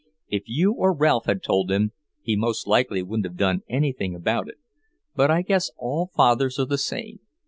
If you or Ralph had told him, he most likely wouldn't have done anything about it. But I guess all fathers are the same."